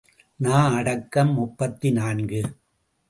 நா அடக்கம் முப்பத்து நான்கு.